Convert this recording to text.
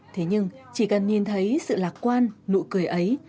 thế nhưng chỉ cần nhìn thấy sự lạc quan nụ cười ấy